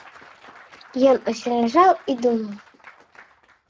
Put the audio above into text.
Ён усё ляжаў і думаў.